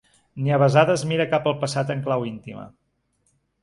Ni a besades mira cap al passat en clau íntima.